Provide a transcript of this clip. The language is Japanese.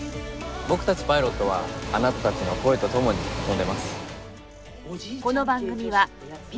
僕たちパイロットはあなたたちの声と共に飛んでます。